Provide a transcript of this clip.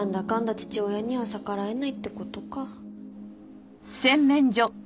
父親には逆らえないって事か。